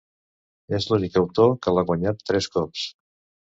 És l'únic autor que l'ha guanyat tres cops.